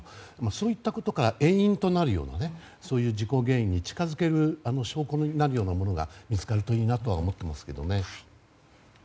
そういったことから遠因となるような事故原因に近づける証拠になるようなものが見つかればいいなと思っています。